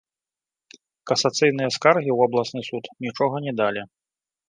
Касацыйныя скаргі ў абласны суд нічога не далі.